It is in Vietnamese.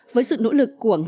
với sự nỗ lực của ngành